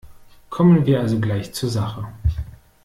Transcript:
Kommen wir also gleich zur Sache.